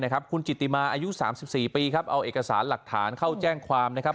คุณจิติมาอายุ๓๔ปีครับเอาเอกสารหลักฐานเข้าแจ้งความนะครับ